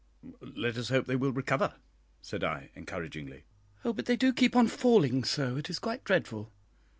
"Let us hope they will recover," said I, encouragingly. "Oh, but they do keep on falling so, it is quite dreadful."